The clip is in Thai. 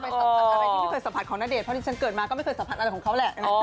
อะไรที่ไม่เคยสัมผัสน้าเดชน์เกิดมาก็ไม่เคยสัมผัสอะไรของเขาแหละ